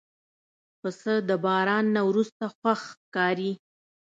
پسه د باران نه وروسته خوښ ښکاري.